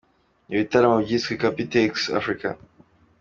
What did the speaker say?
Ibi bitaramo byiswe ‘Cuppy Takes Africa’.